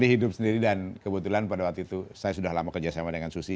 jadi hidup sendiri dan kebetulan pada waktu itu saya sudah lama kerjasama dengan susi